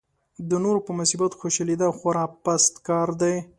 د نورو په مصیبت خوشالېدا خورا پست کار دی.